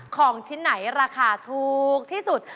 ของชิ้นไหนราคาถูกที่สุด